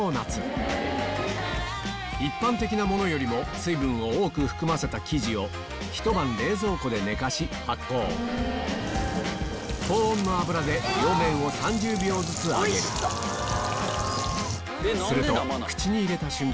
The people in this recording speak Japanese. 一般的なものよりも水分を多く含ませた生地をひと晩冷蔵庫で寝かし発酵高温の油で両面を３０秒ずつ揚げるすると口に入れた瞬間